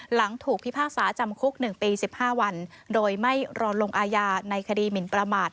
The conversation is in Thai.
หลังถูกพิพากษาจำคุก๑ปี๑๕วันโดยไม่รอลงอาญาในคดีหมินประมาท